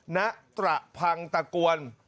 ณตระพังตะกวน